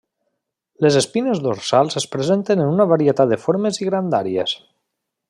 Les espines dorsals es presenten en una varietat de formes i grandàries.